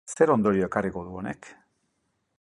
Zer ondorio ekarriko du honek?